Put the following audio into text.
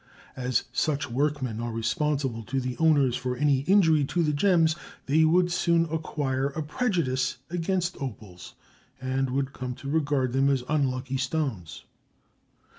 As such workmen are responsible to the owners for any injury to the gems, they would soon acquire a prejudice against opals, and would come to regard them as unlucky stones.